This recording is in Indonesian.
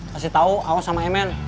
kasih tau awas sama emen